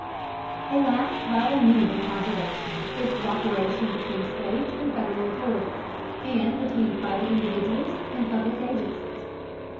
A last vital need in conservation is co÷peration between state and Federal authorities, and between private individuals and public agencies.